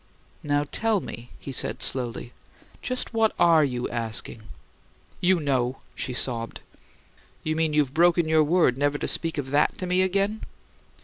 "Now, tell me," he said, slowly. "Just what ARE you asking?" "You know!" she sobbed. "You mean you've broken your word never to speak of THAT to me again?"